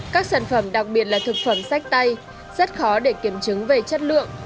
các sản phẩm đặc biệt là thực phẩm sách tay rất khó để kiểm chứng về chất lượng